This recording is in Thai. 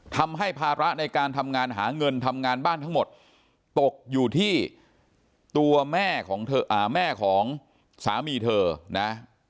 ทำให้ภาระในการทำงานหาเงินทำงานบ้านทั้งหมดตกอยู่ที่ตัวแม่ของแม่ของสามีเธอนะ